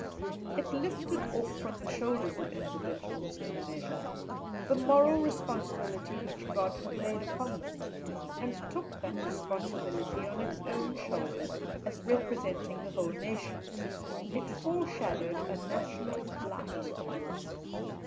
It lifted off from the shoulders of individuals, in a measure, the moral responsibility which God had laid upon them, and took that responsibility on its own shoulders, as representing the whole nation; it foreshadowed a national blight.